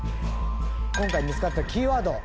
今回見つかったキーワード。